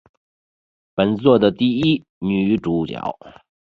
本作的第一女主角。